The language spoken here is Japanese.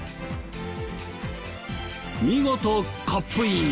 見事コップイン！